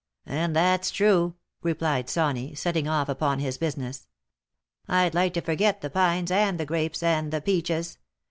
" And that's true," replied Sawny, setting off upon his business. " I had like to forget the pines, and the grapes, and the peaches.